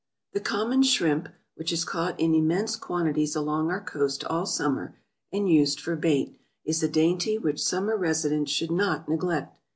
The common shrimp, which is caught in immense quantities along our coast all summer, and used for bait, is a dainty which summer residents should not neglect.